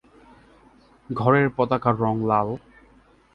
ঘরের পতাকার রঙ লাল।